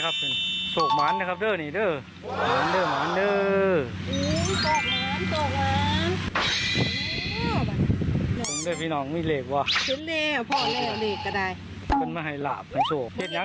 อ๋อบริเวณเกี่ยวทะนะแม่เกี่ยวผล่ายเกี่ยวมาเจอเต๋า